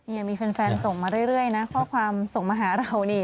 ยังมีแฟนส่งมาเรื่อยนะข้อความส่งมาหาเรานี่